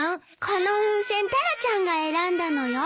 この風船タラちゃんが選んだのよ。